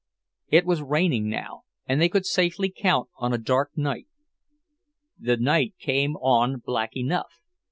It was raining now, and they could safely count on a dark night. The night came on black enough.